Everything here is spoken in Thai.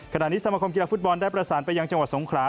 ขณะนี้สมคมกีฬาฟุตบอลได้ประสานไปยังจังหวัดสงขลา